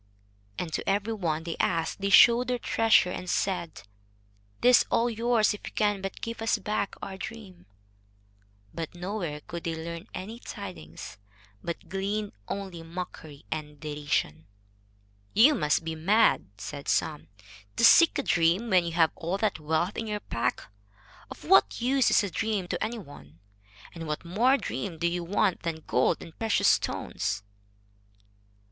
And to every one they asked they showed their treasure and said: "This is all yours if you can but give us back our dream." But nowhere could they learn any tidings, but gleaned only mockery and derision. "You must be mad," said some, "to seek a dream when you have all that wealth in your pack. Of what use is a dream to any one? And what more dream do you want than gold and precious stones?"